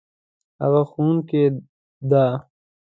هغه ښوونکې ده